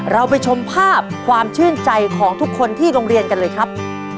เราไปชมภาพความชื่นใจของทุกคนที่โรงเรียนกันเลยครับ